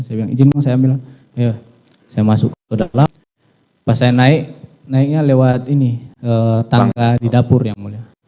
saya bilang izin bang saya ambil saya masuk ke dalam pas saya naik naiknya lewat ini tangga di dapur yang mulia